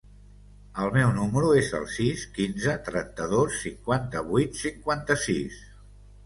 El meu número es el sis, quinze, trenta-dos, cinquanta-vuit, cinquanta-sis.